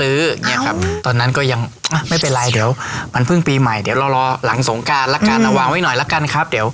เอาไว้หน่อยละกันครับ